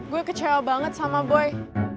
gue kecewa banget sama boy